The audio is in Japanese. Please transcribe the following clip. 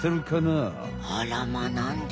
あらまなんで？